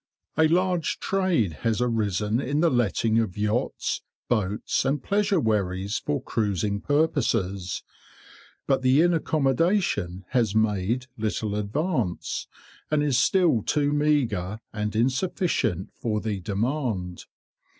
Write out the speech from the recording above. A large trade has arisen in the letting of yachts, boats, and pleasure wherries for cruising purposes; but the inn accommodation has made little advance, and is still too meagre, and insufficient for the demand.